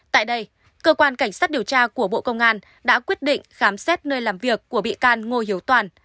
tại đây cơ quan cảnh sát điều tra của bộ công an đã quyết định khám xét nơi làm việc của bị can ngô hiếu toàn